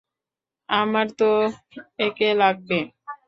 আমার তো একে লাগবে।